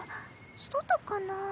外かな？